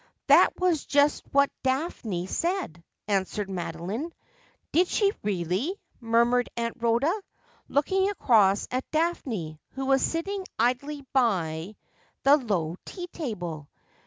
'That was just what Daphne said,' answered Madeline. 'Did she really?' murmured Aunt lihoda, looking across at Daphne, who was sitting idly by the low tea table.